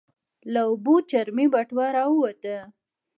له اوبو چرمي بټوه راووته.